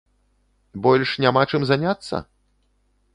Больш няма чым заняцца?